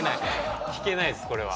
聞けないですこれは。